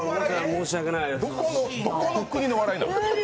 どこの国の笑いなの。